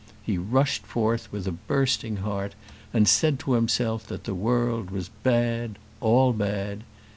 He rushed forth with a bursting heart, and said to himself that the world was bad, all bad.